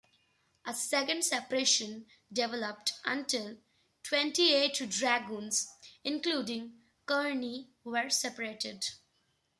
A second separation developed until twenty-eight dragoons, including Kearny, were separated.